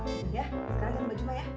sekarang jangan berjumlah ya